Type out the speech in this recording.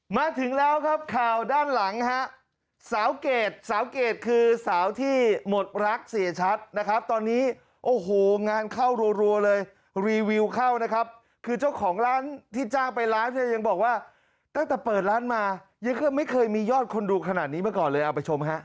มาถึงแล้วครับข่าวด้านหลังฮะสาวเกรดสาวเกรดคือสาวที่หมดรักเสียชัดนะครับตอนนี้โอ้โหงานเข้ารัวเลยรีวิวเข้านะครับคือเจ้าของร้านที่จ้างไปร้านเนี่ยยังบอกว่าตั้งแต่เปิดร้านมาเยอะไม่เคยมียอดคนดูขนาดนี้มาก่อนเลยเอาไปชมฮะ